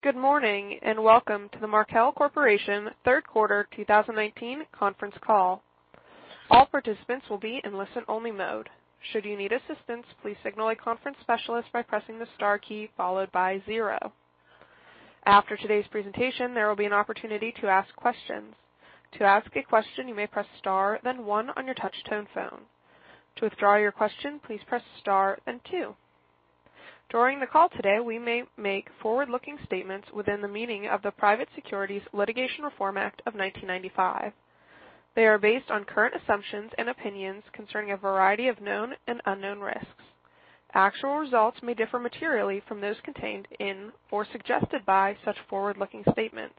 Good morning, welcome to the Markel Group third quarter 2019 conference call. All participants will be in listen-only mode. Should you need assistance, please signal a conference specialist by pressing the star key followed by zero. After today's presentation, there will be an opportunity to ask questions. To ask a question, you may press star then one on your touch tone phone. To withdraw your question, please press star then two. During the call today, we may make forward-looking statements within the meaning of the Private Securities Litigation Reform Act of 1995. They are based on current assumptions and opinions concerning a variety of known and unknown risks. Actual results may differ materially from those contained in or suggested by such forward-looking statements.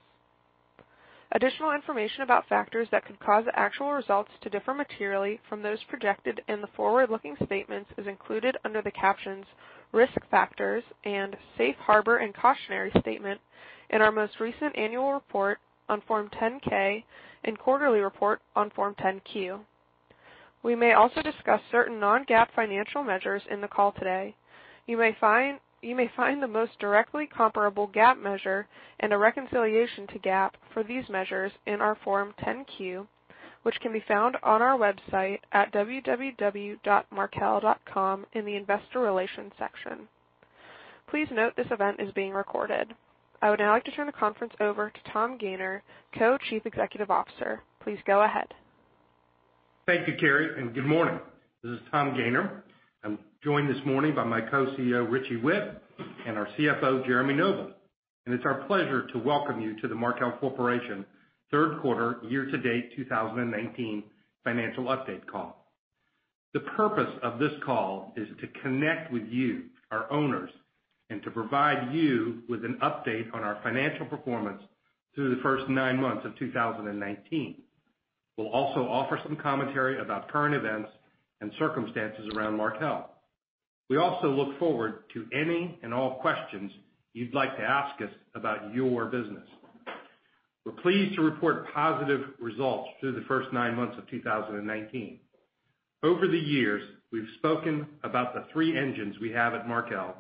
Additional information about factors that could cause the actual results to differ materially from those projected in the forward-looking statements is included under the captions "Risk Factors" and "Safe Harbor and Cautionary Statement" in our most recent annual report on Form 10-K and quarterly report on Form 10-Q. We may also discuss certain non-GAAP financial measures in the call today. You may find the most directly comparable GAAP measure and a reconciliation to GAAP for these measures in our Form 10-Q, which can be found on our website at www.markel.com in the investor relations section. Please note this event is being recorded. I would now like to turn the conference over to Tom Gayner, Co-Chief Executive Officer. Please go ahead. Thank you, Carrie. Good morning. This is Tom Gayner. I'm joined this morning by my Co-CEO, Richie Whitt, and our CFO, Jeremy Noble. It's our pleasure to welcome you to the Markel Corporation third quarter year-to-date 2019 financial update call. The purpose of this call is to connect with you, our owners, and to provide you with an update on our financial performance through the first nine months of 2019. We'll also offer some commentary about current events and circumstances around Markel. We also look forward to any and all questions you'd like to ask us about your business. We're pleased to report positive results through the first nine months of 2019. Over the years, we've spoken about the three engines we have at Markel,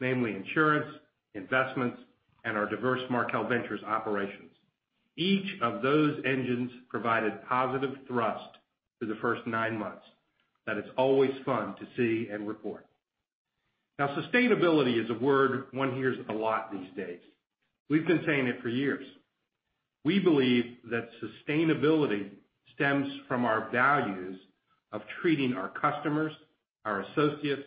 namely insurance, investments, and our diverse Markel Ventures operations. Each of those engines provided positive thrust through the first nine months. That is always fun to see and report. Now, sustainability is a word one hears a lot these days. We've been saying it for years. We believe that sustainability stems from our values of treating our customers, our associates,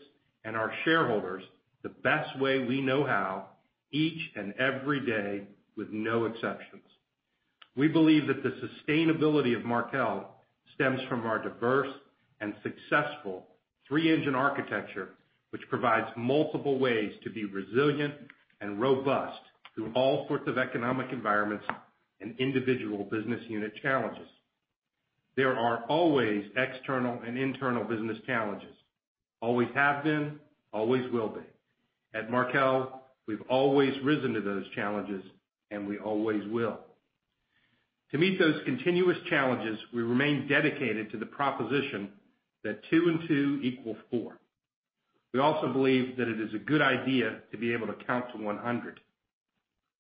and our shareholders the best way we know how each and every day with no exceptions. We believe that the sustainability of Markel stems from our diverse and successful three-engine architecture, which provides multiple ways to be resilient and robust through all sorts of economic environments and individual business unit challenges. There are always external and internal business challenges. Always have been, always will be. At Markel, we've always risen to those challenges, and we always will. To meet those continuous challenges, we remain dedicated to the proposition that two and two equal four. We also believe that it is a good idea to be able to count to 100.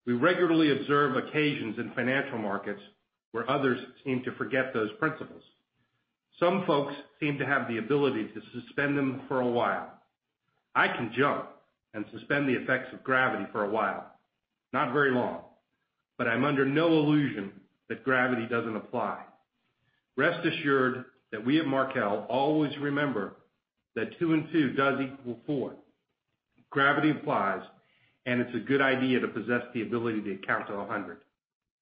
We regularly observe occasions in financial markets where others seem to forget those principles. Some folks seem to have the ability to suspend them for a while. I can jump and suspend the effects of gravity for a while. Not very long, but I'm under no illusion that gravity doesn't apply. Rest assured that we at Markel always remember that two and two does equal four. Gravity applies, and it's a good idea to possess the ability to count to 100.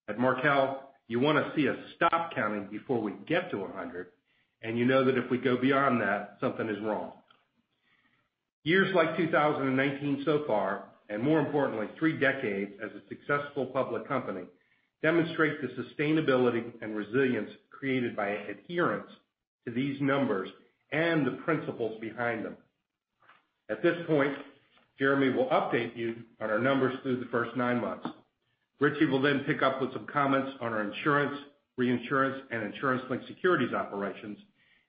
At Markel, you want to see us stop counting before we get to 100, and you know that if we go beyond that, something is wrong. Years like 2019 so far, and more importantly, three decades as a successful public company, demonstrate the sustainability and resilience created by adherence to these numbers and the principles behind them. At this point, Jeremy will update you on our numbers through the first nine months. Richie will then pick up with some comments on our insurance, reinsurance, and insurance-linked securities operations,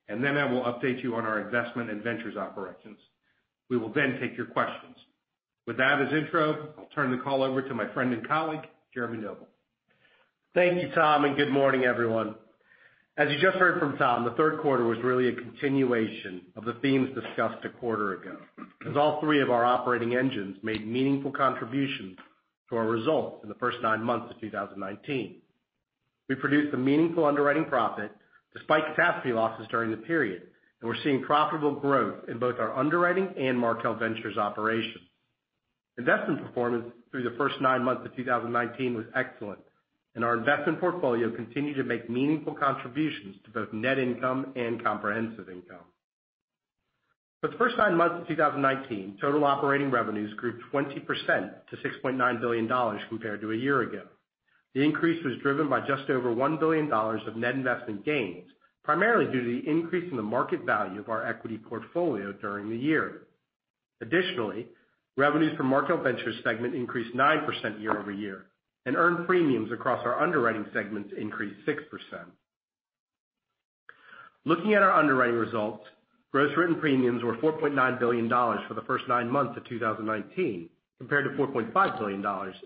and then I will update you on our investment in ventures operations. We will then take your questions. With that as intro, I'll turn the call over to my friend and colleague, Jeremy Noble. Thank you, Tom, and good morning, everyone. As you just heard from Tom, the third quarter was really a continuation of the themes discussed a quarter ago, as all three of our operating engines made meaningful contributions to our results in the first nine months of 2019. We produced a meaningful underwriting profit despite catastrophe losses during the period, and we're seeing profitable growth in both our underwriting and Markel Ventures operations. Investment performance through the first nine months of 2019 was excellent, and our investment portfolio continued to make meaningful contributions to both net income and comprehensive income. For the first nine months of 2019, total operating revenues grew 20% to $6.9 billion compared to a year ago. The increase was driven by just over $1 billion of net investment gains, primarily due to the increase in the market value of our equity portfolio during the year. Additionally, revenues from Markel Ventures segment increased 9% year-over-year, and earned premiums across our underwriting segments increased 6%. Looking at our underwriting results, gross written premiums were $4.9 billion for the first nine months of 2019, compared to $4.5 billion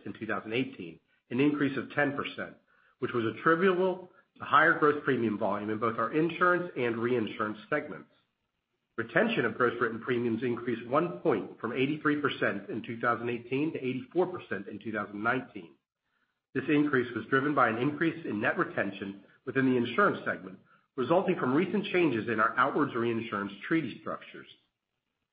in 2018, an increase of 10%, which was attributable to higher growth premium volume in both our insurance and reinsurance segments. Retention of gross written premiums increased one point from 83% in 2018 to 84% in 2019. This increase was driven by an increase in net retention within the insurance segment, resulting from recent changes in our outwards reinsurance treaty structures.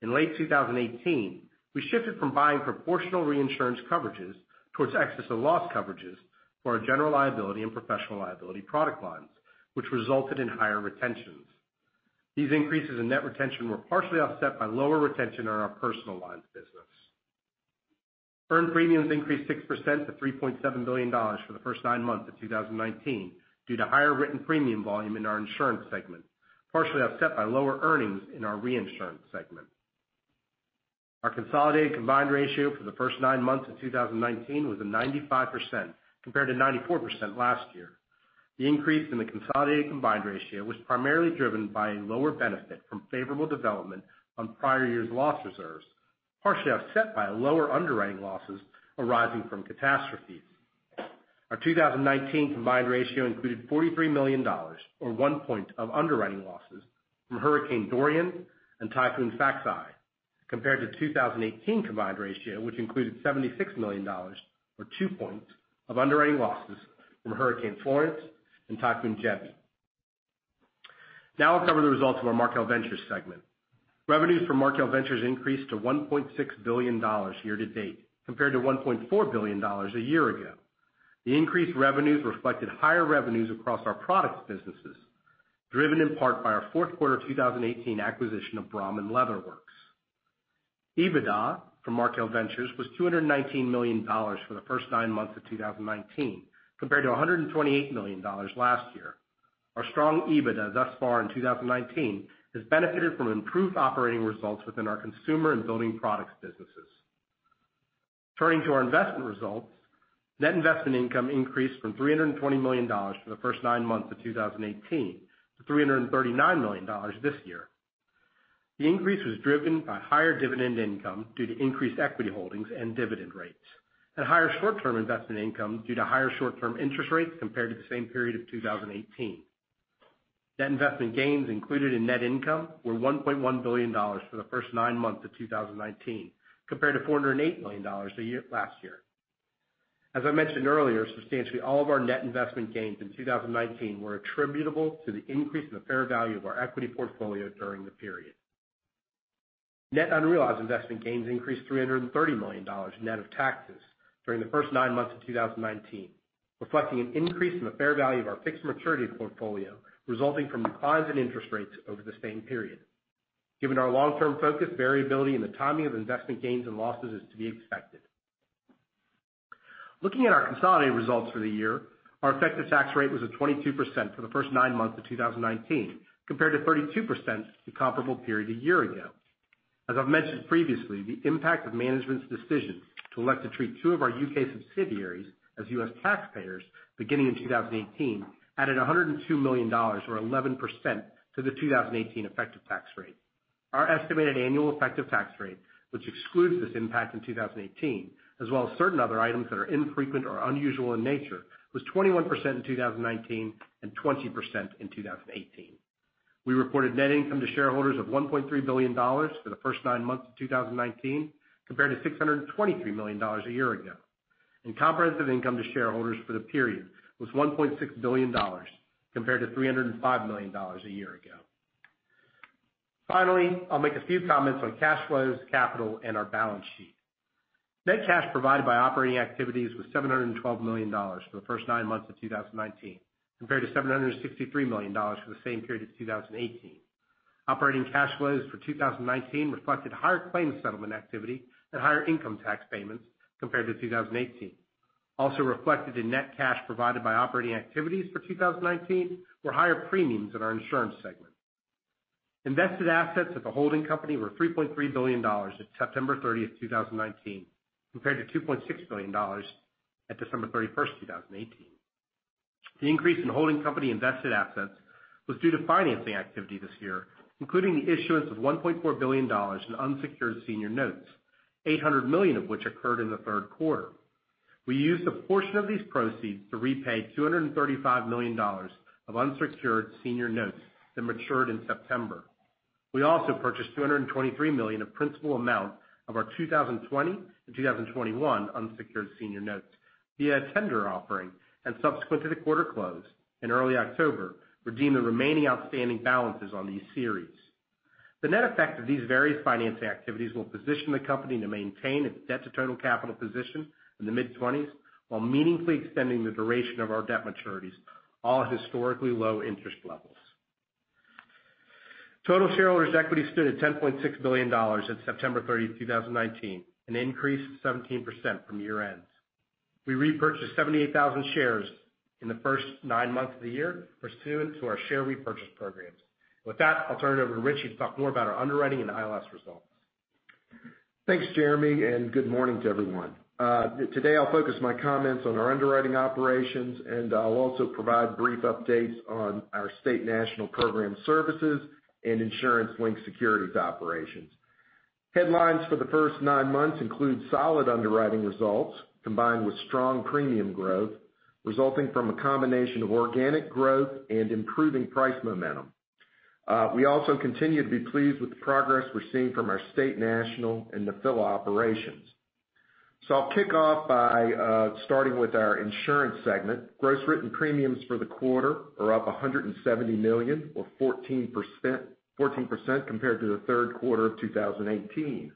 In late 2018, we shifted from buying proportional reinsurance coverages towards excess of loss coverages for our general liability and professional liability product lines, which resulted in higher retentions. These increases in net retention were partially offset by lower retention on our personal lines business. Earned premiums increased 6% to $3.7 billion for the first nine months of 2019 due to higher written premium volume in our insurance segment, partially offset by lower earnings in our reinsurance segment. Our consolidated combined ratio for the first nine months of 2019 was a 95% compared to 94% last year. The increase in the consolidated combined ratio was primarily driven by a lower benefit from favorable development on prior years' loss reserves, partially offset by lower underwriting losses arising from catastrophes. Our 2019 combined ratio included $43 million, or one point of underwriting losses from Hurricane Dorian and Typhoon Faxai, compared to 2018 combined ratio, which included $76 million or two points of underwriting losses from Hurricane Florence and Typhoon Jebi. I'll cover the results of our Markel Ventures segment. Revenues for Markel Ventures increased to $1.6 billion year to date, compared to $1.4 billion a year ago. The increased revenues reflected higher revenues across our products businesses, driven in part by our fourth quarter 2018 acquisition of Brahmin Leather Works. EBITDA from Markel Ventures was $219 million for the first nine months of 2019, compared to $128 million last year. Our strong EBITDA thus far in 2019 has benefited from improved operating results within our consumer and building products businesses. Turning to our investment results, net investment income increased from $320 million for the first nine months of 2018 to $339 million this year. The increase was driven by higher dividend income due to increased equity holdings and dividend rates, higher short-term investment income due to higher short-term interest rates compared to the same period of 2018. Net investment gains included in net income were $1.1 billion for the first nine months of 2019, compared to $408 million last year. As I mentioned earlier, substantially all of our net investment gains in 2019 were attributable to the increase in the fair value of our equity portfolio during the period. Net unrealized investment gains increased $330 million net of taxes during the first nine months of 2019, reflecting an increase in the fair value of our fixed maturity portfolio resulting from declines in interest rates over the same period. Given our long-term focus, variability in the timing of investment gains and losses is to be expected. Looking at our consolidated results for the year, our effective tax rate was at 22% for the first nine months of 2019, compared to 32% the comparable period a year ago. As I've mentioned previously, the impact of management's decisions to elect to treat two of our U.K. subsidiaries as U.S. taxpayers beginning in 2018 added $102 million, or 11%, to the 2018 effective tax rate. Our estimated annual effective tax rate, which excludes this impact in 2018, as well as certain other items that are infrequent or unusual in nature, was 21% in 2019 and 20% in 2018. We reported net income to shareholders of $1.3 billion for the first nine months of 2019, compared to $623 million a year ago, and comprehensive income to shareholders for the period was $1.6 billion, compared to $305 million a year ago. I'll make a few comments on cash flows, capital, and our balance sheet. Net cash provided by operating activities was $712 million for the first nine months of 2019, compared to $763 million for the same period in 2018. Operating cash flows for 2019 reflected higher claims settlement activity and higher income tax payments compared to 2018. Also reflected in net cash provided by operating activities for 2019 were higher premiums in our insurance segment. Invested assets at the holding company were $3.3 billion at September 30th, 2019, compared to $2.6 billion at December 31st, 2018. The increase in holding company invested assets was due to financing activity this year, including the issuance of $1.4 billion in unsecured senior notes, $800 million of which occurred in the third quarter. We used a portion of these proceeds to repay $235 million of unsecured senior notes that matured in September. We also purchased $223 million of principal amount of our 2020 and 2021 unsecured senior notes via a tender offering, and subsequent to the quarter close in early October, redeemed the remaining outstanding balances on these series. The net effect of these various financing activities will position the company to maintain its debt to total capital position in the mid-20s while meaningfully extending the duration of our debt maturities, all at historically low interest levels. Total shareholders' equity stood at $10.6 billion at September 30th, 2019, an increase of 17% from year ends. We repurchased 78,000 shares in the first nine months of the year pursuant to our share repurchase programs. With that, I'll turn it over to Richie. He'll talk more about our underwriting and ILS results. Thanks, Jeremy, and good morning to everyone. Today I'll focus my comments on our underwriting operations, and I'll also provide brief updates on our State National program services and insurance-linked securities operations. Headlines for the first nine months include solid underwriting results combined with strong premium growth, resulting from a combination of organic growth and improving price momentum. We also continue to be pleased with the progress we're seeing from our State National and affiliate operations. I'll kick off by starting with our insurance segment. Gross written premiums for the quarter are up $170 million or 14% compared to the third quarter of 2018.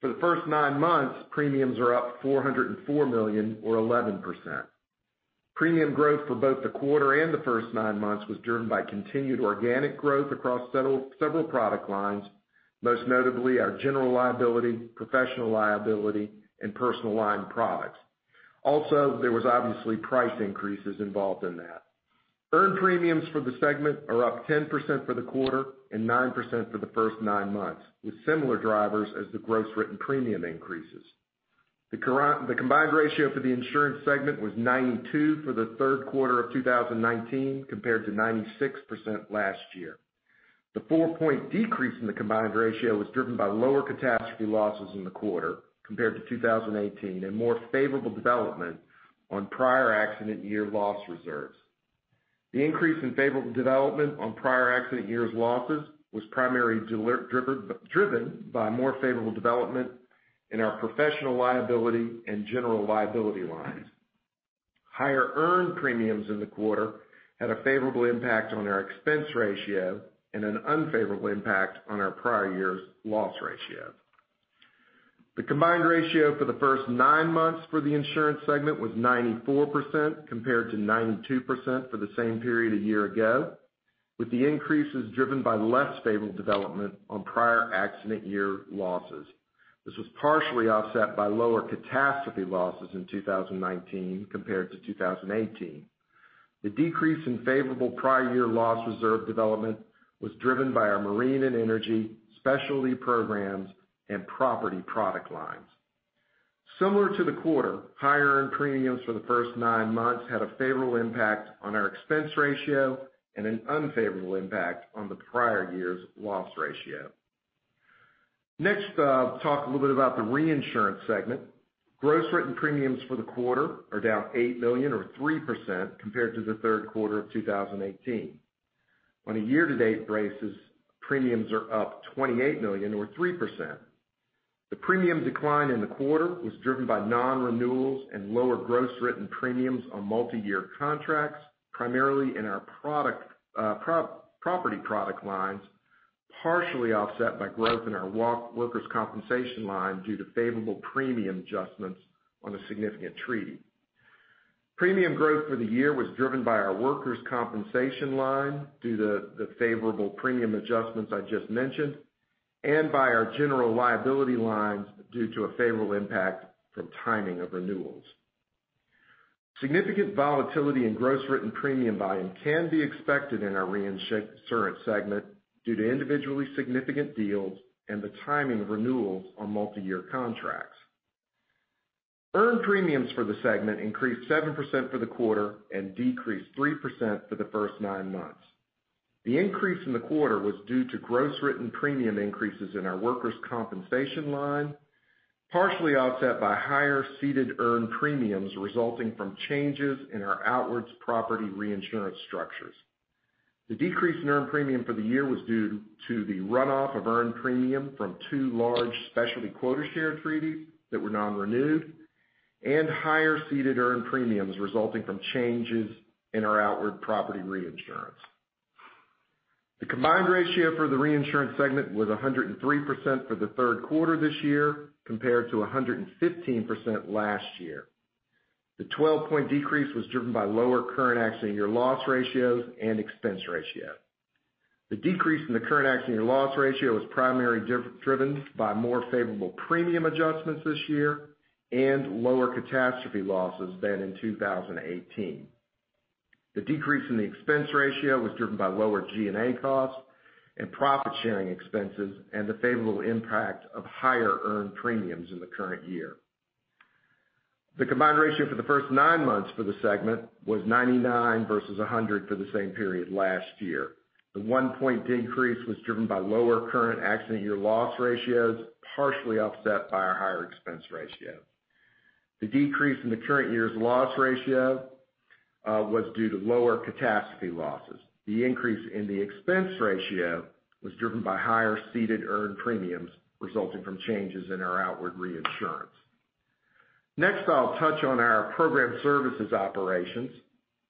For the first nine months, premiums are up $404 million or 11%. Premium growth for both the quarter and the first nine months was driven by continued organic growth across several product lines, most notably our general liability, professional liability, and personal line products. There was obviously price increases involved in that. Earned premiums for the segment are up 10% for the quarter and 9% for the first nine months, with similar drivers as the gross written premium increases. The combined ratio for the insurance segment was 92 for the third quarter of 2019, compared to 96% last year. The four-point decrease in the combined ratio was driven by lower catastrophe losses in the quarter compared to 2018 and more favorable development on prior accident year loss reserves. The increase in favorable development on prior accident years' losses was primarily driven by more favorable development in our professional liability and general liability lines. Higher earned premiums in the quarter had a favorable impact on our expense ratio and an unfavorable impact on our prior year's loss ratio. The combined ratio for the first nine months for the insurance segment was 94% compared to 92% for the same period a year ago, with the increases driven by less favorable development on prior accident year losses. This was partially offset by lower catastrophe losses in 2019 compared to 2018. The decrease in favorable prior year loss reserve development was driven by our marine and energy specialty programs and property product lines. Similar to the quarter, higher earned premiums for the first nine months had a favorable impact on our expense ratio and an unfavorable impact on the prior year's loss ratio. Next, I'll talk a little bit about the reinsurance segment. Gross written premiums for the quarter are down $8 million or 3% compared to the third quarter of 2018. On a year-to-date basis, premiums are up $28 million or 3%. The premium decline in the quarter was driven by non-renewals and lower gross written premiums on multi-year contracts, primarily in our property product lines, partially offset by growth in our workers' compensation line due to favorable premium adjustments on a significant treaty. Premium growth for the year was driven by our workers' compensation line due to the favorable premium adjustments I just mentioned, and by our general liability lines due to a favorable impact from timing of renewals. Significant volatility in gross written premium volume can be expected in our reinsurance segment due to individually significant deals and the timing of renewals on multi-year contracts. Earned premiums for the segment increased 7% for the quarter and decreased 3% for the first nine months. The increase in the quarter was due to gross written premium increases in our workers' compensation line, partially offset by higher ceded earned premiums resulting from changes in our outwards property reinsurance structures. The decrease in earned premium for the year was due to the runoff of earned premium from two large specialty quota share treaties that were non-renewed, and higher ceded earned premiums resulting from changes in our outward property reinsurance. The combined ratio for the reinsurance segment was 103% for the third quarter this year, compared to 115% last year. The 12-point decrease was driven by lower current accident year loss ratios and expense ratio. The decrease in the current accident year loss ratio was primarily driven by more favorable premium adjustments this year and lower catastrophe losses than in 2018. The decrease in the expense ratio was driven by lower G&A costs and profit-sharing expenses and the favorable impact of higher earned premiums in the current year. The combined ratio for the first nine months for the segment was 99 versus 100 for the same period last year. The 1-point decrease was driven by lower current accident year loss ratios, partially offset by our higher expense ratio. The decrease in the current year's loss ratio was due to lower catastrophe losses. The increase in the expense ratio was driven by higher ceded earned premiums resulting from changes in our outward reinsurance. I'll touch on our program services operations.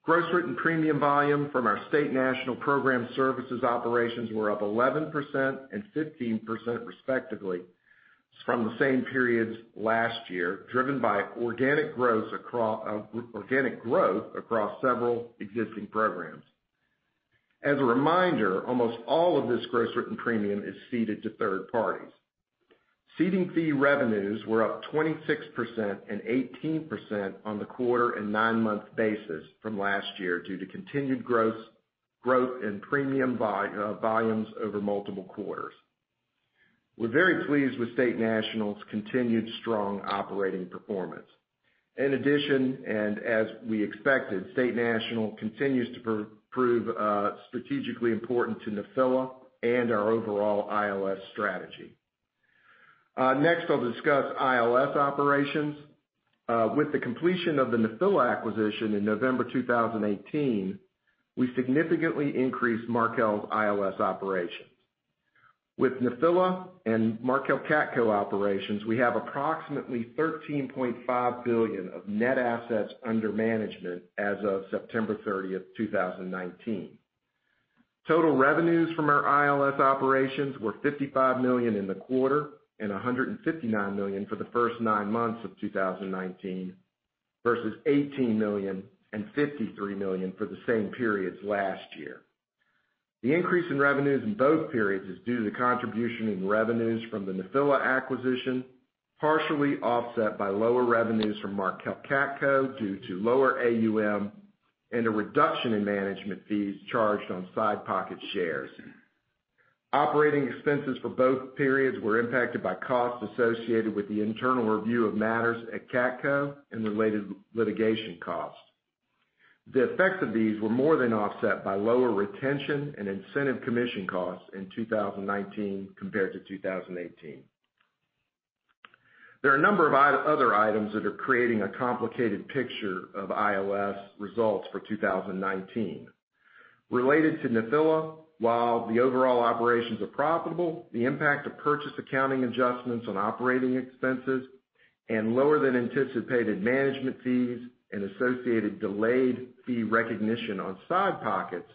Gross written premium volume from our State National program services operations were up 11% and 15% respectively from the same periods last year, driven by organic growth across several existing programs. As a reminder, almost all of this gross written premium is ceded to third parties. Ceding fee revenues were up 26% and 18% on the quarter and nine-month basis from last year due to continued growth in premium volumes over multiple quarters. We're very pleased with State National's continued strong operating performance. In addition, and as we expected, State National continues to prove strategically important to Nephila and our overall ILS strategy. Next, I'll discuss ILS operations. With the completion of the Nephila acquisition in November 2018, we significantly increased Markel's ILS operations. With Nephila and Markel CATCo operations, we have approximately $13.5 billion of net assets under management as of September 30th, 2019. Total revenues from our ILS operations were $55 million in the quarter and $159 million for the first nine months of 2019, versus $18 million and $53 million for the same periods last year. The increase in revenues in both periods is due to the contribution in revenues from the Nephila acquisition, partially offset by lower revenues from Markel CATCo due to lower AUM and a reduction in management fees charged on side pocket shares. Operating expenses for both periods were impacted by costs associated with the internal review of matters at CATCo and related litigation costs. The effects of these were more than offset by lower retention and incentive commission costs in 2019 compared to 2018. There are a number of other items that are creating a complicated picture of ILS results for 2019. Related to Nephila, while the overall operations are profitable, the impact of purchase accounting adjustments on operating expenses and lower than anticipated management fees and associated delayed fee recognition on side pockets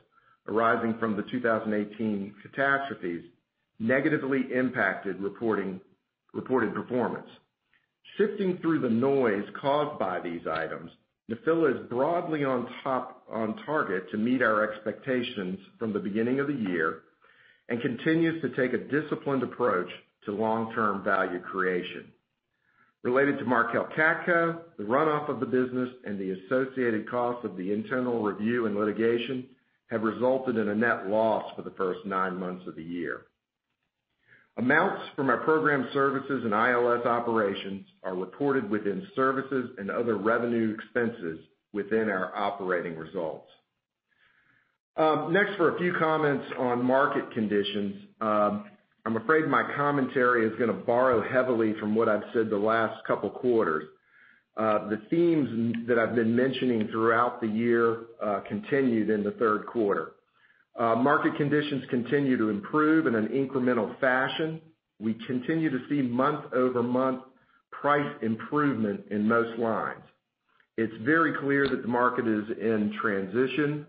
arising from the 2018 catastrophes negatively impacted reported performance. Sifting through the noise caused by these items, Nephila is broadly on target to meet our expectations from the beginning of the year, and continues to take a disciplined approach to long-term value creation. Related to Markel CATCo, the runoff of the business and the associated costs of the internal review and litigation have resulted in a net loss for the first nine months of the year. Amounts from our program services and ILS operations are reported within services and other revenue expenses within our operating results. Next, for a few comments on market conditions. I'm afraid my commentary is going to borrow heavily from what I've said the last couple quarters. The themes that I've been mentioning throughout the year continued in the third quarter. Market conditions continue to improve in an incremental fashion. We continue to see month-over-month price improvement in most lines. It's very clear that the market is in transition.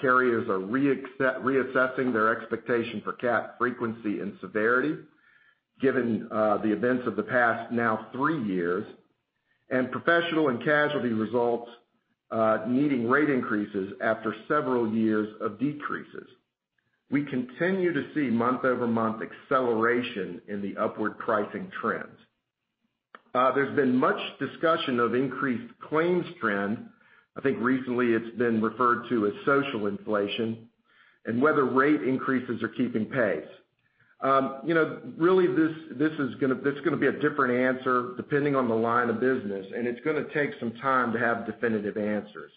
Carriers are reassessing their expectation for CAT frequency and severity given the events of the past now three years, and professional and casualty results needing rate increases after several years of decreases. We continue to see month-over-month acceleration in the upward pricing trends. There's been much discussion of increased claims trend, I think recently it's been referred to as social inflation, and whether rate increases are keeping pace. Really, this is going to be a different answer depending on the line of business, and it's going to take some time to have definitive answers.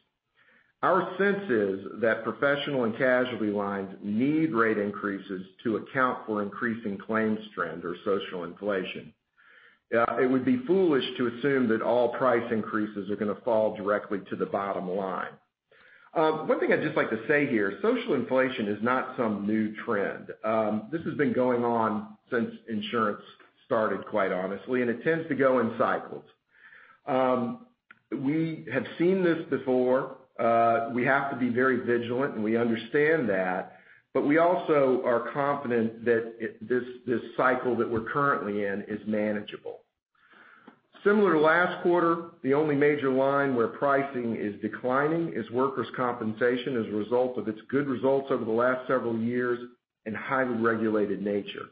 Our sense is that professional and casualty lines need rate increases to account for increasing claims trend or social inflation. It would be foolish to assume that all price increases are going to fall directly to the bottom line. One thing I'd just like to say here, social inflation is not some new trend. This has been going on since insurance started, quite honestly, and it tends to go in cycles. We have seen this before. We have to be very vigilant, and we understand that, but we also are confident that this cycle that we're currently in is manageable. Similar to last quarter, the only major line where pricing is declining is workers' compensation as a result of its good results over the last several years and highly regulated nature.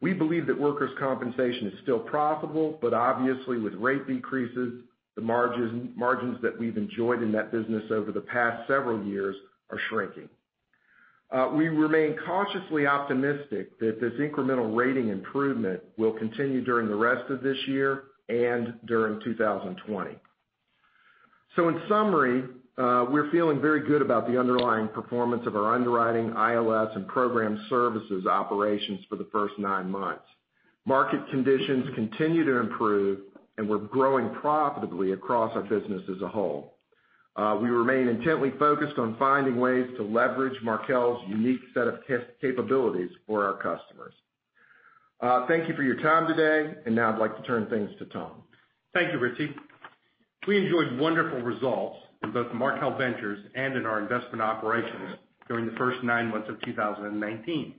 We believe that workers' compensation is still profitable, but obviously with rate increases, the margins that we've enjoyed in that business over the past several years are shrinking. We remain cautiously optimistic that this incremental rating improvement will continue during the rest of this year and during 2020. In summary, we're feeling very good about the underlying performance of our underwriting, ILS and program services operations for the first nine months. Market conditions continue to improve, we're growing profitably across our business as a whole. We remain intently focused on finding ways to leverage Markel's unique set of capabilities for our customers. Thank you for your time today, now I'd like to turn things to Tom. Thank you, Richie. We enjoyed wonderful results in both Markel Ventures and in our investment operations during the first nine months of 2019.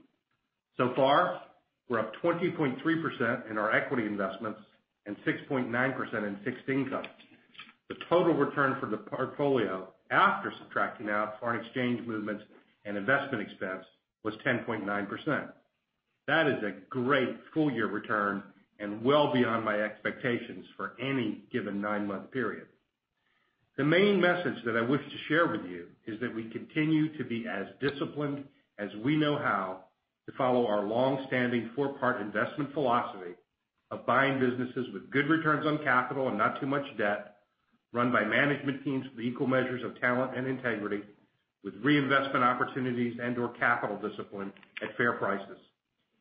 So far, we're up 20.3% in our equity investments and 6.9% in fixed income. The total return for the portfolio after subtracting out foreign exchange movements and investment expense was 10.9%. That is a great full-year return and well beyond my expectations for any given nine-month period. The main message that I wish to share with you is that we continue to be as disciplined as we know how to follow our longstanding four-part investment philosophy of buying businesses with good returns on capital and not too much debt, run by management teams with equal measures of talent and integrity, with reinvestment opportunities and/or capital discipline at fair prices.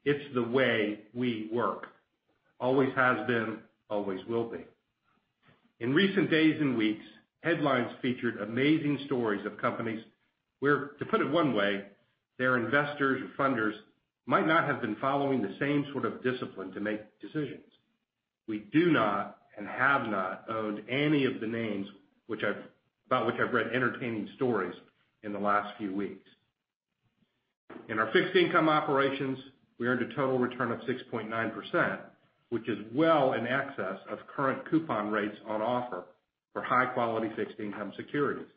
It's the way we work. Always has been, always will be. In recent days and weeks, headlines featured amazing stories of companies where, to put it one way, their investors or funders might not have been following the same sort of discipline to make decisions. We do not and have not owned any of the names about which I've read entertaining stories in the last few weeks. In our fixed income operations, we earned a total return of 6.9%, which is well in excess of current coupon rates on offer for high-quality fixed income securities.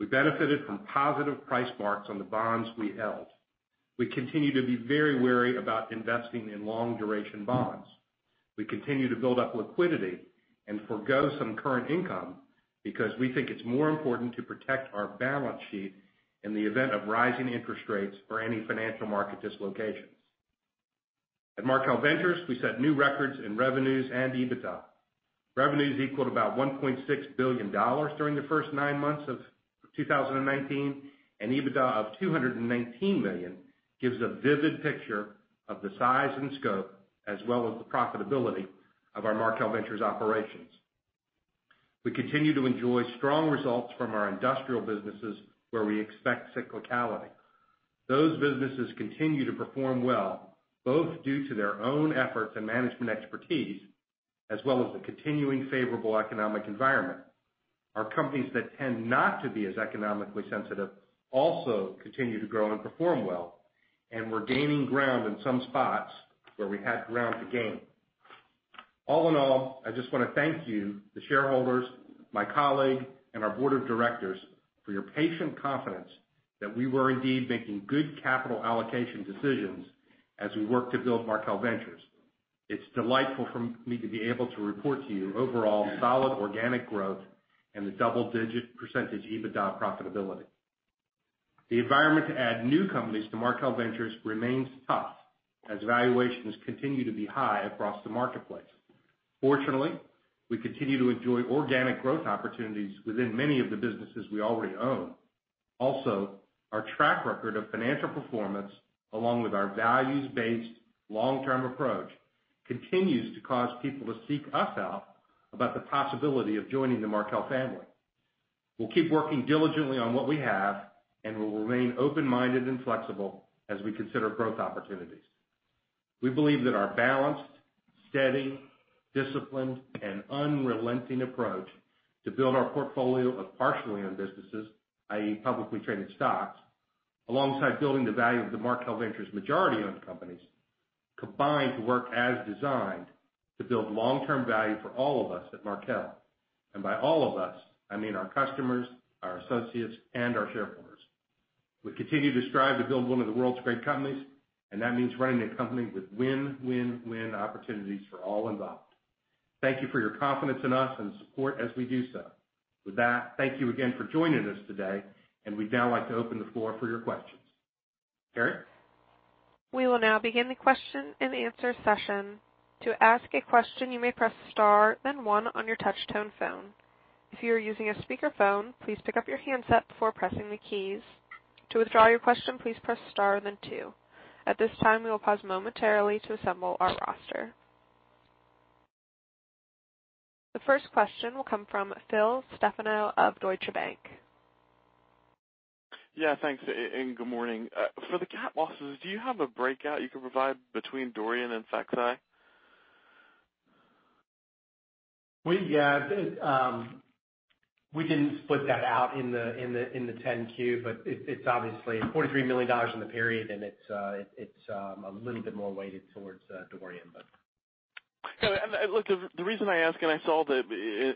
We benefited from positive price marks on the bonds we held. We continue to be very wary about investing in long-duration bonds. We continue to build up liquidity and forego some current income because we think it's more important to protect our balance sheet in the event of rising interest rates or any financial market dislocations. At Markel Ventures, we set new records in revenues and EBITDA. Revenues equaled about $1.6 billion during the first nine months of 2019, and EBITDA of $219 million gives a vivid picture of the size and scope, as well as the profitability of our Markel Ventures operations. We continue to enjoy strong results from our industrial businesses where we expect cyclicality. Those businesses continue to perform well, both due to their own efforts and management expertise, as well as the continuing favorable economic environment. Our companies that tend not to be as economically sensitive also continue to grow and perform well, and we're gaining ground in some spots where we had ground to gain. All in all, I just want to thank you, the shareholders, my colleague, and our board of directors for your patient confidence that we were indeed making good capital allocation decisions as we work to build Markel Ventures. It's delightful for me to be able to report to you overall solid organic growth and the double-digit % EBITDA profitability. The environment to add new companies to Markel Ventures remains tough as valuations continue to be high across the marketplace. Fortunately, we continue to enjoy organic growth opportunities within many of the businesses we already own. Also, our track record of financial performance, along with our values-based long-term approach, continues to cause people to seek us out about the possibility of joining the Markel family. We'll keep working diligently on what we have, and we'll remain open-minded and flexible as we consider growth opportunities. We believe that our balanced, steady, disciplined, and unrelenting approach to build our portfolio of partially owned businesses, i.e., publicly traded stocks, alongside building the value of the Markel Ventures majority-owned companies, combine to work as designed to build long-term value for all of us at Markel. By all of us, I mean our customers, our associates, and our shareholders. We continue to strive to build one of the world's great companies, and that means running a company with win-win-win opportunities for all involved. Thank you for your confidence in us and support as we do so. With that, thank you again for joining us today, and we'd now like to open the floor for your questions. Carrie? We will now begin the question and answer session. To ask a question, you may press star, then one on your touch-tone phone. If you are using a speakerphone, please pick up your handset before pressing the keys. To withdraw your question, please press star, then two. At this time, we will pause momentarily to assemble our roster. The first question will come from Phil Stefano of Deutsche Bank. Yeah, thanks, good morning. For the cat losses, do you have a breakout you can provide between Dorian and Faxai? We didn't split that out in the 10-Q. It's obviously $43 million in the period. It's a little bit more weighted towards Dorian. Look, the reason I ask, I saw that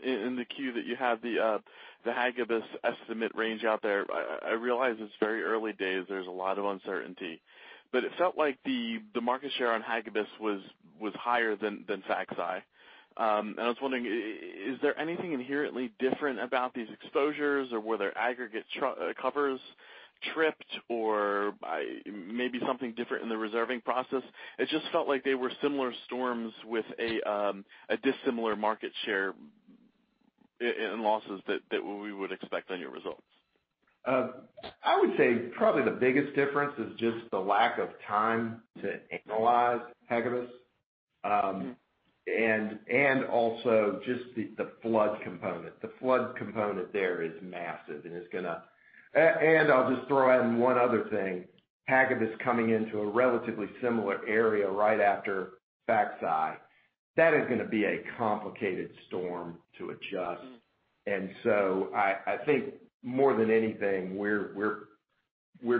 in the Q that you have the Hagibis estimate range out there, I realize it's very early days. There's a lot of uncertainty. It felt like the market share on Hagibis was higher than Faxai. I was wondering, is there anything inherently different about these exposures, or were their aggregate covers tripped or maybe something different in the reserving process? It just felt like they were similar storms with a dissimilar market share in losses that we would expect on your results. I would say probably the biggest difference is just the lack of time to analyze Hagibis, also just the flood component. The flood component there is massive. I'll just throw in one other thing, Hagibis coming into a relatively similar area right after Faxai. That is going to be a complicated storm to adjust. I think more than anything, we're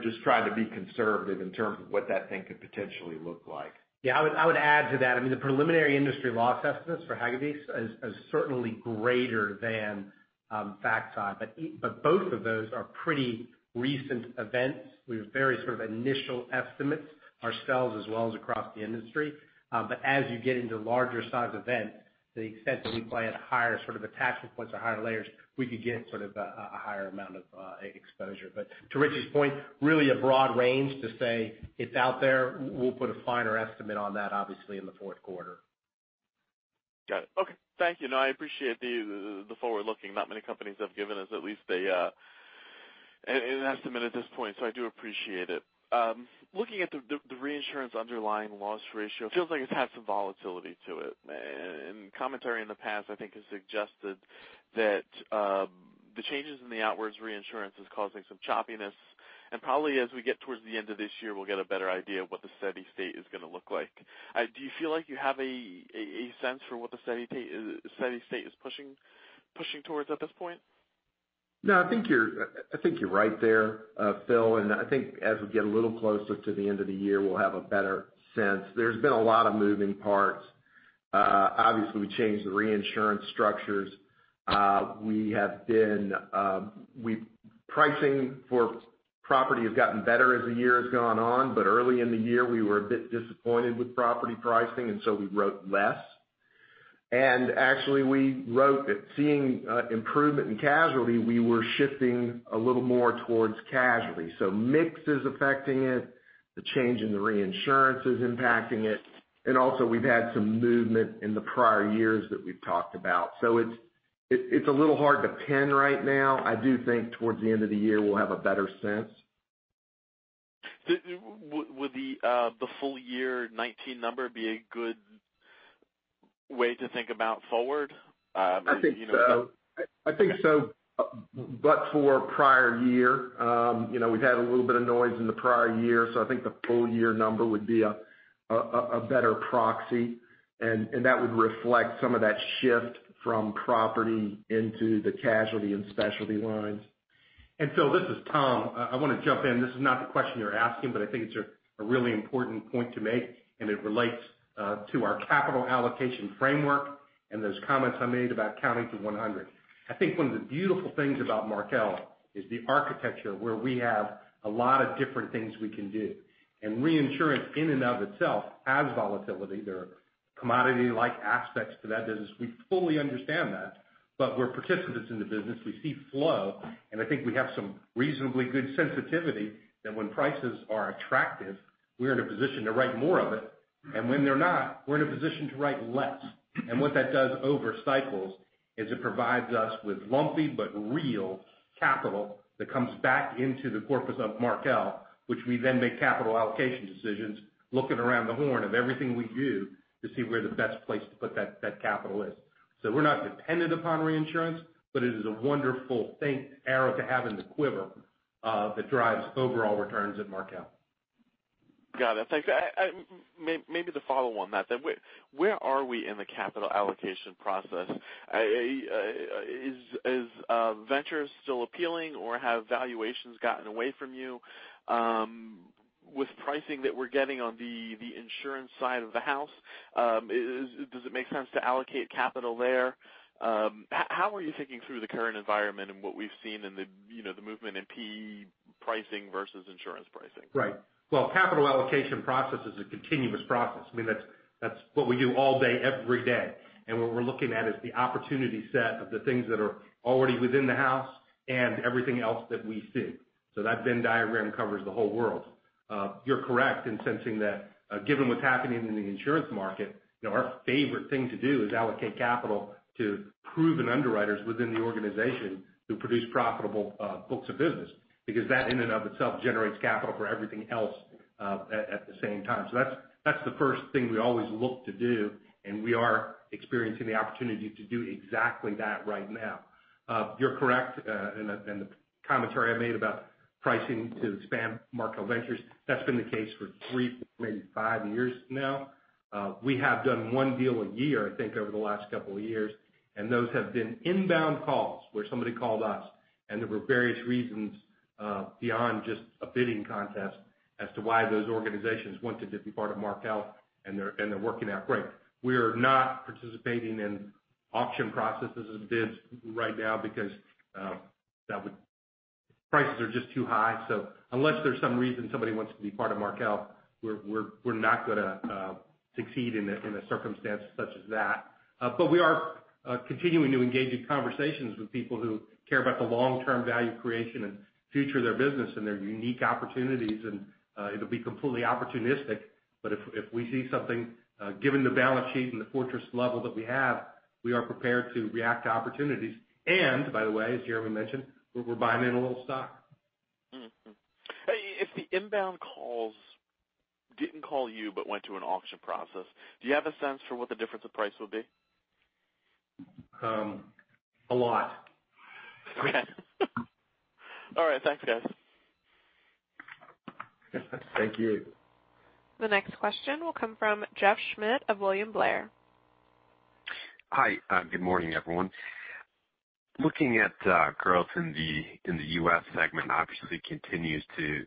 just trying to be conservative in terms of what that thing could potentially look like. Yeah, I would add to that. I mean, the preliminary industry loss estimates for Hagibis is certainly greater than Faxai, both of those are pretty recent events with very sort of initial estimates, ourselves, as well as across the industry. As you get into larger size events, the extent that we play at higher sort of attachment points or higher layers, we could get sort of a higher amount of exposure. To Richie's point, really a broad range to say it's out there. We'll put a finer estimate on that, obviously, in the fourth quarter. Got it. Okay. Thank you. I appreciate the forward-looking. Not many companies have given us at least an estimate at this point. I do appreciate it. Looking at the reinsurance underlying loss ratio, it feels like it's had some volatility to it. Commentary in the past, I think, has suggested that the changes in the outwards reinsurance is causing some choppiness, and probably as we get towards the end of this year, we'll get a better idea of what the steady state is going to look like. Do you feel like you have a sense for what the steady state is pushing towards at this point? No, I think you're right there, Phil, and I think as we get a little closer to the end of the year, we'll have a better sense. There's been a lot of moving parts. Obviously, we changed the reinsurance structures. Pricing for property has gotten better as the year has gone on, but early in the year, we were a bit disappointed with property pricing, and so we wrote less. Actually, seeing improvement in casualty, we were shifting a little more towards casualty. Mix is affecting it, the change in the reinsurance is impacting it, and also we've had some movement in the prior years that we've talked about. It's a little hard to pin right now. I do think towards the end of the year, we'll have a better sense. Would the full year 2019 number be a good way to think about forward? I think so. For prior year, we've had a little bit of noise in the prior year, I think the full-year number would be a better proxy, and that would reflect some of that shift from property into the casualty and specialty lines. Phil, this is Tom. I want to jump in. This is not the question you're asking, but I think it's a really important point to make, and it relates to our capital allocation framework and those comments I made about counting to 100. I think one of the beautiful things about Markel is the architecture, where we have a lot of different things we can do. Reinsurance in and of itself has volatility. There are commodity-like aspects to that business. We fully understand that, but we're participants in the business. We see flow, and I think we have some reasonably good sensitivity that when prices are attractive, we're in a position to write more of it. When they're not, we're in a position to write less. What that does over cycles is it provides us with lumpy but real capital that comes back into the corpus of Markel, which we then make capital allocation decisions, looking around the horn of everything we do to see where the best place to put that capital is. We're not dependent upon reinsurance, but it is a wonderful thing, arrow to have in the quiver that drives overall returns at Markel. Got it. Thanks. Maybe to follow on that, where are we in the capital allocation process? Is Markel Ventures still appealing, or have valuations gotten away from you? With pricing that we're getting on the insurance side of the house, does it make sense to allocate capital there? How are you thinking through the current environment and what we've seen in the movement in PE pricing versus insurance pricing? Right. Well, capital allocation process is a continuous process. I mean, that's what we do all day, every day. What we're looking at is the opportunity set of the things that are already within the house and everything else that we see. That Venn diagram covers the whole world. You're correct in sensing that given what's happening in the insurance market, our favorite thing to do is allocate capital to proven underwriters within the organization who produce profitable books of business, because that in and of itself generates capital for everything else at the same time. That's the first thing we always look to do, and we are experiencing the opportunity to do exactly that right now. You're correct in the commentary I made about pricing to expand Markel Ventures. That's been the case for three, maybe five years now. We have done one deal a year, I think, over the last couple of years. Those have been inbound calls where somebody called us, and there were various reasons beyond just a bidding contest as to why those organizations wanted to be part of Markel, and they're working out great. We are not participating in auction processes and bids right now because prices are just too high. Unless there's some reason somebody wants to be part of Markel, we're not going to succeed in a circumstance such as that. We are continuing to engage in conversations with people who care about the long-term value creation and future of their business and their unique opportunities, and it'll be completely opportunistic. If we see something, given the balance sheet and the fortress level that we have, we are prepared to react to opportunities. By the way, as Jeremy mentioned, we're buying in a little stock. If the inbound calls didn't call you but went to an auction process, do you have a sense for what the difference of price would be? A lot. Okay. All right. Thanks, guys. Thank you. The next question will come from Jeff Schmitt of William Blair. Hi. Good morning, everyone. Looking at growth in the U.S. segment, obviously continues to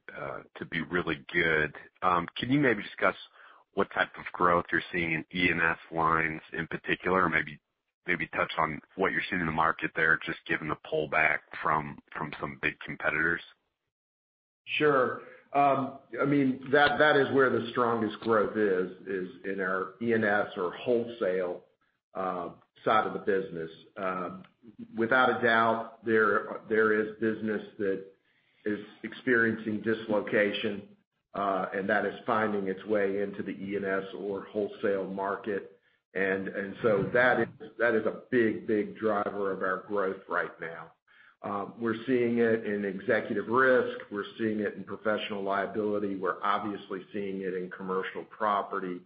be really good. Can you maybe discuss what type of growth you're seeing in E&S lines in particular, or maybe touch on what you're seeing in the market there, just given the pullback from some big competitors? Sure. That is where the strongest growth is in our E&S or wholesale side of the business. Without a doubt, there is business that is experiencing dislocation, and that is finding its way into the E&S or wholesale market. That is a big driver of our growth right now. We're seeing it in executive risk, we're seeing it in professional liability. We're obviously seeing it in commercial property.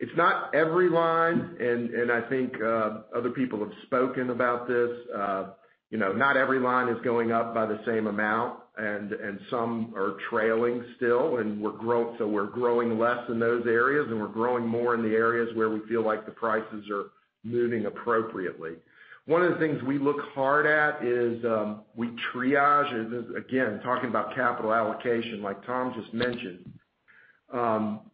It's not every line, and I think other people have spoken about this. Not every line is going up by the same amount, and some are trailing still. We're growing less in those areas, and we're growing more in the areas where we feel like the prices are moving appropriately. One of the things we look hard at is, we triage. Again, talking about capital allocation, like Tom just mentioned.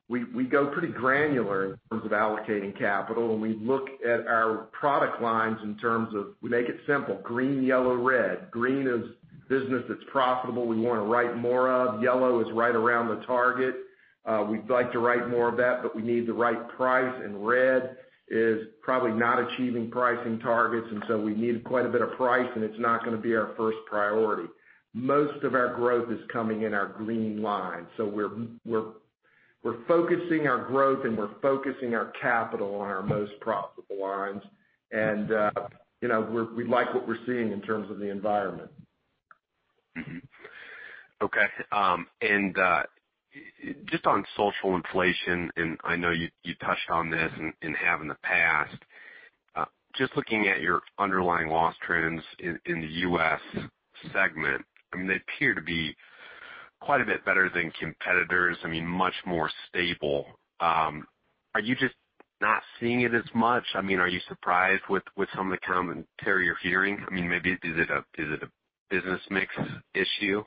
We go pretty granular in terms of allocating capital, and we look at our product lines in terms of, we make it simple, green, yellow, red. Green is business that's profitable, we want to write more of. Yellow is right around the target. We'd like to write more of that, but we need the right price, and red is probably not achieving pricing targets, and so we need quite a bit of price, and it's not going to be our first priority. Most of our growth is coming in our green line. We're focusing our growth and we're focusing our capital on our most profitable lines. We like what we're seeing in terms of the environment. Okay. Just on social inflation, and I know you touched on this, and have in the past. Just looking at your underlying loss trends in the U.S. segment. They appear to be quite a bit better than competitors. Much more stable. Are you just not seeing it as much? Are you surprised with some of the commentary you're hearing? Maybe is it a business mix issue?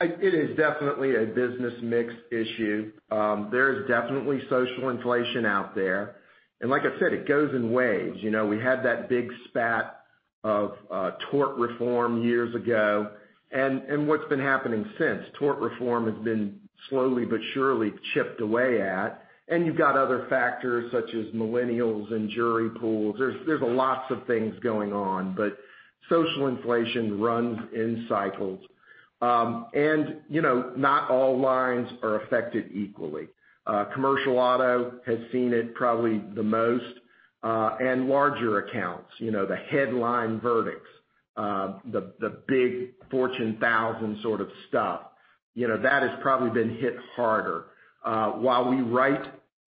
It is definitely a business mix issue. There is definitely social inflation out there. Like I said, it goes in waves. We had that big spat of tort reform years ago. What's been happening since, tort reform has been slowly but surely chipped away at. You've got other factors such as millennials and jury pools. There's lots of things going on, but social inflation runs in cycles. Not all lines are affected equally. Commercial auto has seen it probably the most, and larger accounts, the headline verdicts, the big Fortune 1000 sort of stuff. That has probably been hit harder. While we write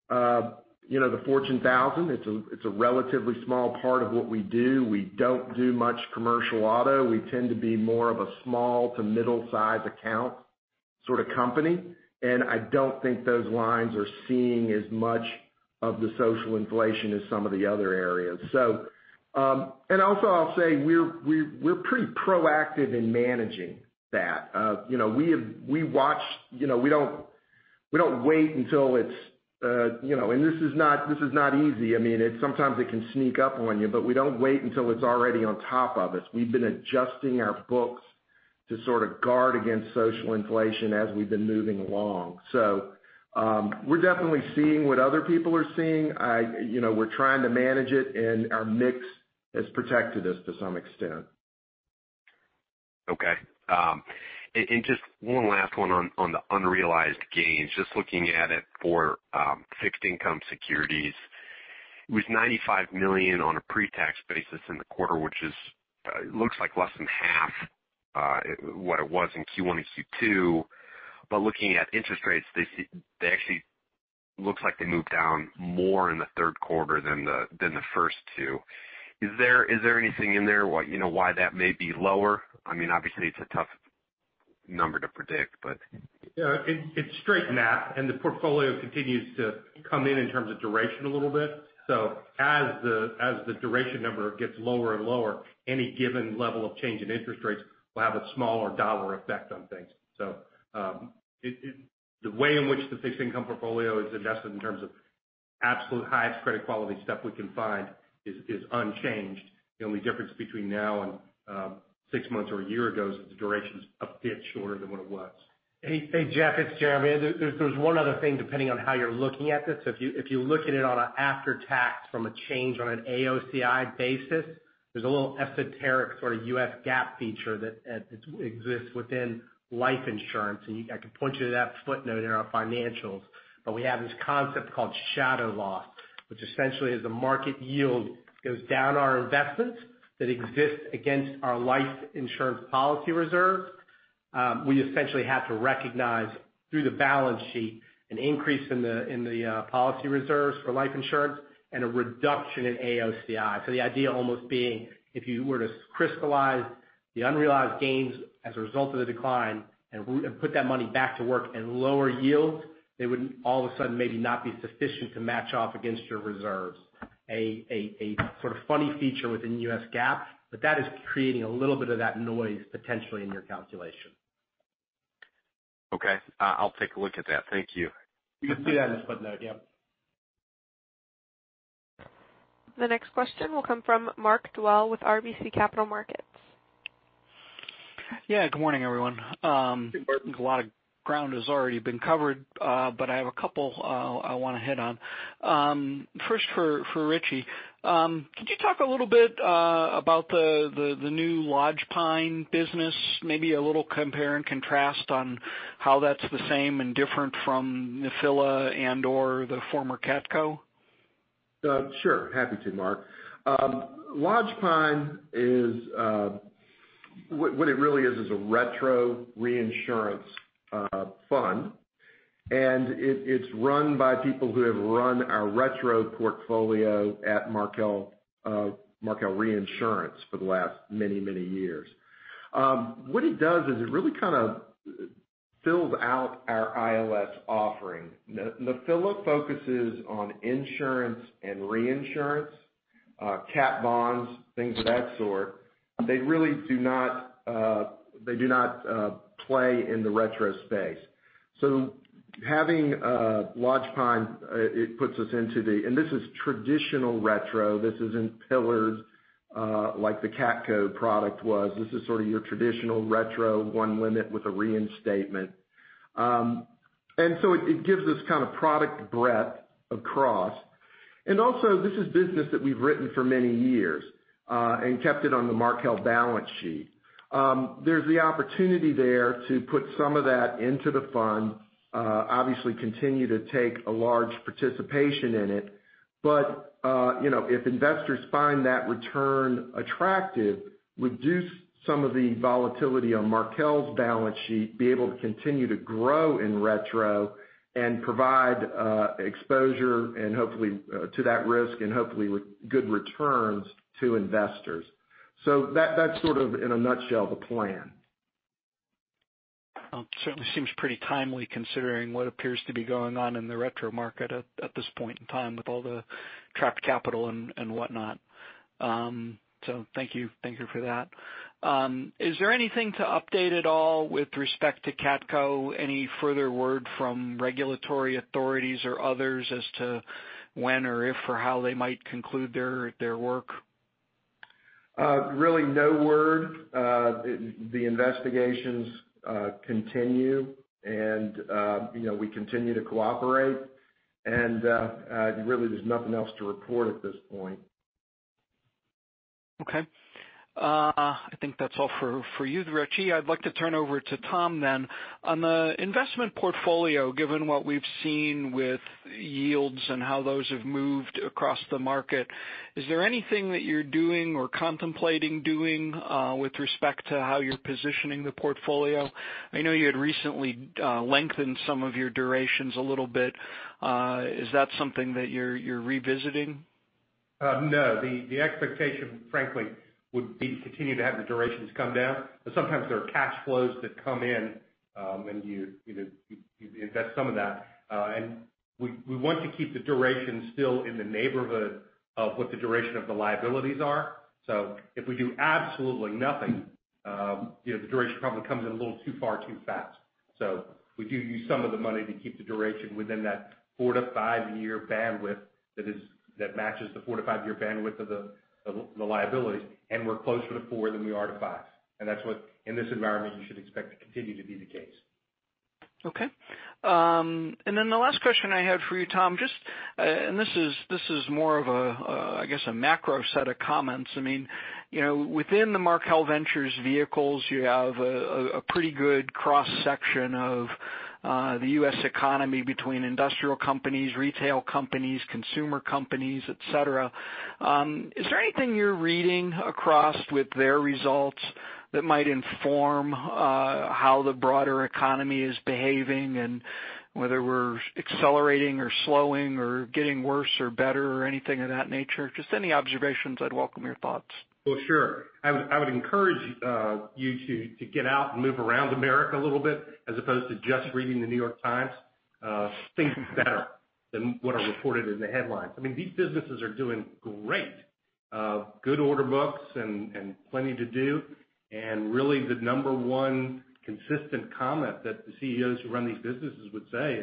the Fortune 1000, it's a relatively small part of what we do. We don't do much commercial auto. We tend to be more of a small to middle-size account sort of company, and I don't think those lines are seeing as much of the social inflation as some of the other areas. Also, I'll say, we're pretty proactive in managing that. This is not easy. Sometimes it can sneak up on you, but we don't wait until it's already on top of us. We've been adjusting our books to sort of guard against social inflation as we've been moving along. We're definitely seeing what other people are seeing. We're trying to manage it, and our mix has protected us to some extent. Okay. Just one last one on the unrealized gains. Just looking at it for fixed income securities. With $95 million on a pre-tax basis in the quarter, which looks like less than half what it was in Q1 and Q2. Looking at interest rates, they actually looks like they moved down more in the third quarter than the first two. Is there anything in there why that may be lower? Obviously, it's a tough number to predict. It's straight math. The portfolio continues to come in terms of duration a little bit. As the duration number gets lower and lower, any given level of change in interest rates will have a smaller dollar effect on things. The way in which the fixed income portfolio is invested in terms of absolute highest credit quality stuff we can find is unchanged. The only difference between now and six months or a year ago is that the duration's a bit shorter than what it was. Hey, Jeff, it's Jeremy. There's one other thing, depending on how you're looking at this. If you look at it on a after-tax from a change on an AOCI basis, there's a little esoteric sort of U.S. GAAP feature that exists within life insurance, and I could point you to that footnote in our financials. We have this concept called shadow loss, which essentially as the market yield goes down our investments that exist against our life insurance policy reserve, we essentially have to recognize through the balance sheet an increase in the policy reserves for life insurance and a reduction in AOCI. The idea almost being, if you were to crystallize- The unrealized gains as a result of the decline, and put that money back to work in lower yields, they would all of a sudden maybe not be sufficient to match off against your reserves, a sort of funny feature within U.S. GAAP, but that is creating a little bit of that noise potentially in your calculation. Okay. I'll take a look at that. Thank you. You can see that in this footnote. Yep. The next question will come from Mark Dwelle with RBC Capital Markets. Yeah. Good morning, everyone. Hey, Mark. A lot of ground has already been covered. I have a couple I want to hit on. First for Richie. Could you talk a little bit about the new Lodgepine business? Maybe a little compare and contrast on how that's the same and different from Nephila and/or the former CATCo. Sure. Happy to, Mark. Lodgepine, what it really is a retro reinsurance fund. It's run by people who have run our retro portfolio at Markel Global Reinsurance for the last many, many years. What it does is it really kind of fills out our ILS offering. Nephila focuses on insurance and reinsurance, cat bonds, things of that sort. They do not play in the retro space. Having Lodgepine, it puts us into the, and this is traditional retro. This isn't pillars, like the Markel CATCo product was. This is sort of your traditional retro one limit with a reinstatement. It gives us kind of product breadth across. Also, this is business that we've written for many years, and kept it on the Markel balance sheet. There's the opportunity there to put some of that into the fund, obviously continue to take a large participation in it. If investors find that return attractive, reduce some of the volatility on Markel's balance sheet, be able to continue to grow in retro and provide exposure to that risk and hopefully with good returns to investors. That, sort of, in a nutshell, the plan. Well, certainly seems pretty timely considering what appears to be going on in the retro market at this point in time with all the trapped capital and whatnot. Thank you for that. Is there anything to update at all with respect to CATCo? Any further word from regulatory authorities or others as to when or if or how they might conclude their work? Really, no word. The investigations continue and we continue to cooperate and really there's nothing else to report at this point. Okay. I think that's all for you, Richie. I'd like to turn over to Tom. On the investment portfolio, given what we've seen with yields and how those have moved across the market, is there anything that you're doing or contemplating doing with respect to how you're positioning the portfolio? I know you had recently lengthened some of your durations a little bit. Is that something that you're revisiting? No. The expectation, frankly, would be to continue to have the durations come down. Sometimes there are cash flows that come in, and you invest some of that. We want to keep the duration still in the neighborhood of what the duration of the liabilities are. If we do absolutely nothing, the duration probably comes in a little too far, too fast. We do use some of the money to keep the duration within that four to five-year bandwidth that matches the four to five-year bandwidth of the liabilities, and we're closer to four than we are to five. That's what, in this environment, you should expect to continue to be the case. Okay. Then the last question I had for you, Tom, and this is more of a, I guess, a macro set of comments. Within the Markel Ventures vehicles, you have a pretty good cross-section of the U.S. economy between industrial companies, retail companies, consumer companies, et cetera. Is there anything you're reading across with their results that might inform how the broader economy is behaving and whether we're accelerating or slowing or getting worse or better or anything of that nature? Just any observations, I'd welcome your thoughts. Well, sure. I would encourage you to get out and move around America a little bit as opposed to just reading The New York Times. Things are better than what are reported in the headlines. These businesses are doing great. Good order books and plenty to do. Really the number one consistent comment that the CEOs who run these businesses would say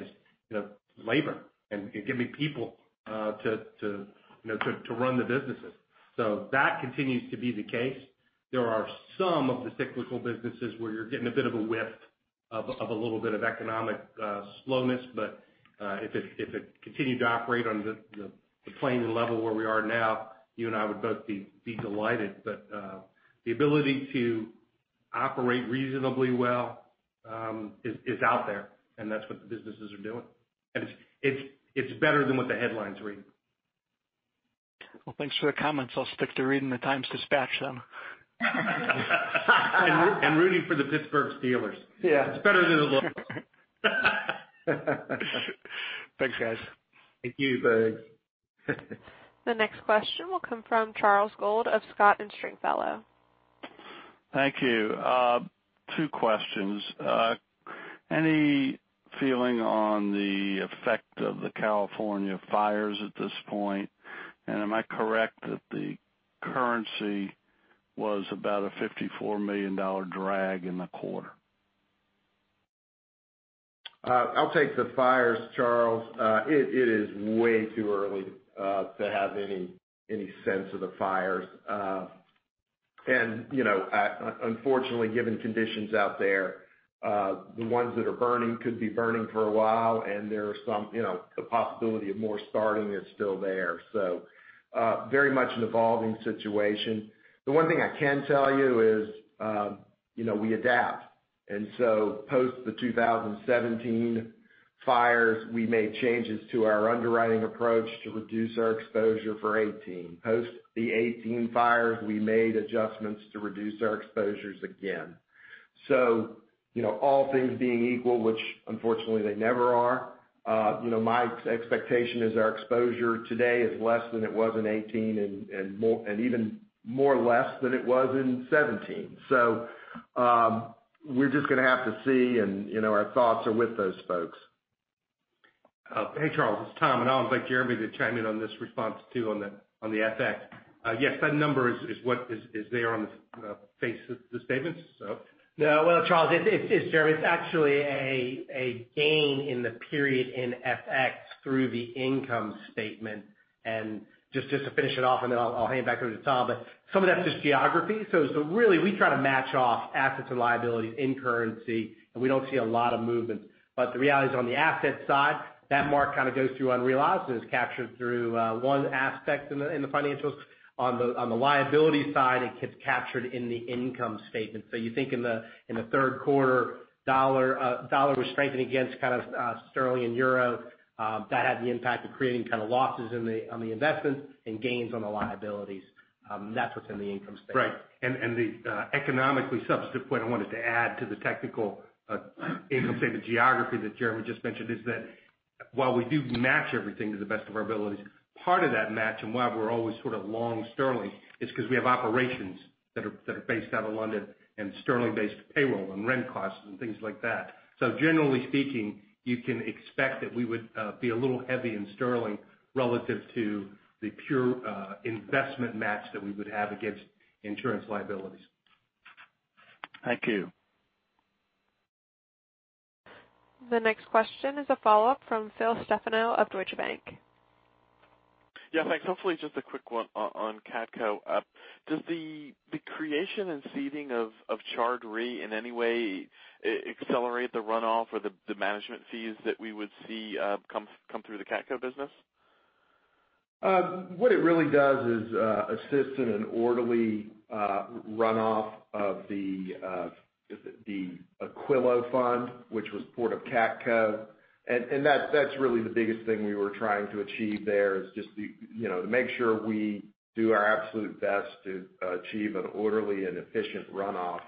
is labor and getting people to run the businesses. That continues to be the case. There are some of the cyclical businesses where you're getting a bit of a whiff of a little bit of economic slowness. If it continued to operate on the plane and level where we are now, you and I would both be delighted. The ability to operate reasonably well is out there, and that's what the businesses are doing. It's better than what the headlines read. Well, thanks for the comments. I'll stick to reading the Times-Dispatch then. Rooting for the Pittsburgh Steelers. Yeah. It's better than the locals. Thanks, guys. Thank you, Bud. The next question will come from Charles Gold of Scott & Stringfellow. Thank you. Two questions. Any feeling on the effect of the California fires at this point? Am I correct that the currency was about a $54 million drag in the quarter? I'll take the fires, Charles. It is way too early to have any sense of the fires. Unfortunately, given conditions out there, the ones that are burning could be burning for a while, and the possibility of more starting is still there. Very much an evolving situation. The one thing I can tell you is we adapt. Post the 2017 fires, we made changes to our underwriting approach to reduce our exposure for 2018. Post the 2018 fires, we made adjustments to reduce our exposures again. All things being equal, which unfortunately they never are, my expectation is our exposure today is less than it was in 2018 and even more less than it was in 2017. We're just going to have to see, and our thoughts are with those folks. Hey, Charles, it's Tom. I would like Jeremy to chime in on this response too, on the FX. Yes, that number is there on the face of the statements, so. No. Well, Charles, it's Jeremy. It's actually a gain in the period in FX through the income statement. Just to finish it off, and then I'll hand it back over to Tom, but some of that's just geography. Really, we try to match off assets and liabilities in currency, and we don't see a lot of movement. The reality is, on the asset side, that mark kind of goes through unrealized and is captured through one aspect in the financials. On the liability side, it gets captured in the income statement. You think in the third quarter, dollar was strengthening against sterling and euro. That had the impact of creating losses on the investments and gains on the liabilities. That's what's in the income statement. Right. The economically substantive point I wanted to add to the technical income statement geography that Jeremy just mentioned is that while we do match everything to the best of our abilities, part of that match and why we're always sort of long sterling is because we have operations that are based out of London and sterling-based payroll and rent costs and things like that. Generally speaking, you can expect that we would be a little heavy in sterling relative to the pure investment match that we would have against insurance liabilities. Thank you. The next question is a follow-up from Phil Stefano of Deutsche Bank. Yeah, thanks. Hopefully, just a quick one on CATCo. Does the creation and seeding of Chard Re in any way accelerate the runoff or the management fees that we would see come through the CATCo business? What it really does is assist in an orderly runoff of the Aquilo Fund, which was part of CATCo. That's really the biggest thing we were trying to achieve there, is just to make sure we do our absolute best to achieve an orderly and efficient runoff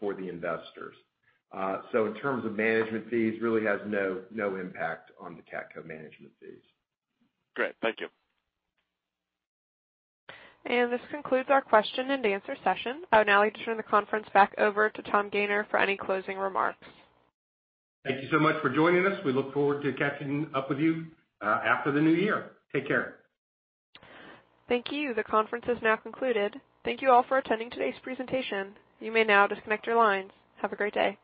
for the investors. In terms of management fees, really has no impact on the CATCo management fees. Great. Thank you. This concludes our question and answer session. I would now like to turn the conference back over to Tom Gayner for any closing remarks. Thank you so much for joining us. We look forward to catching up with you after the new year. Take care. Thank you. The conference is now concluded. Thank you all for attending today's presentation. You may now disconnect your lines. Have a great day.